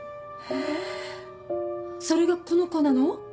えそれがこの子なの？